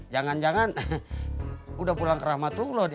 jangan jangan udah pulang ke rahmatullah